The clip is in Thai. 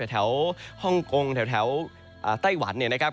แถวฮ่องกงแถวไต้หวันเนี่ยนะครับ